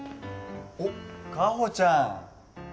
おっ夏帆ちゃん。